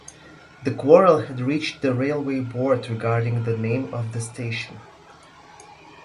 The quarrel had reached the Railway Board regarding the name of the station.